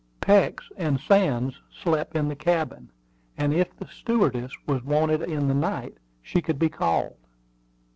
Peeks and Sands slept in the cabin; and if the stewardess was wanted in the night, she could be called.